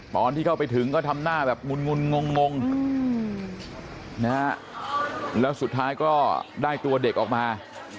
ตอนที่เข้าไปถึงก็ทำหน้าแบบงุนงงนะฮะแล้วสุดท้ายก็ได้ตัวเด็กออกมา